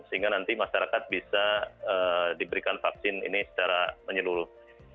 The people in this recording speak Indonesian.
sehingga nanti masyarakat bisa diberikan vaksin ini secara menyeluruh